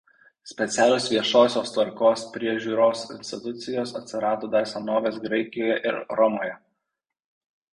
Specialios viešosios tvarkos priežiūros institucijos atsirado dar Senovės Graikijoje ir Romoje.